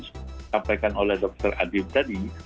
saya mengingatkan sampaikan oleh dokter adil tadi